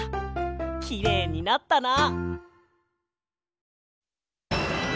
きれいになったな！